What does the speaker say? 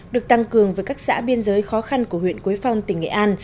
được tăng cường với các xã biên giới khó khăn của huyện quế phong tỉnh nghệ an